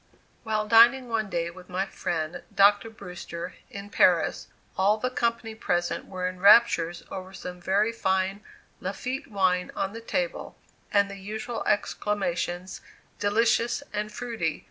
While dining one day with my friend, Dr. Brewster, in Paris, all the company present were in raptures over some very fine "Lafitte" wine on the table, and the usual exclamations, "delicious!" and "fruity!"